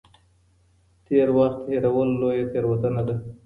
تېر وخت هېرول لويه تېروتنه ده.